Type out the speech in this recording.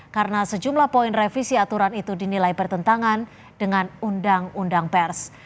karena sejumlah poin revisi aturan itu dinilai bertentangan dengan undang undang pers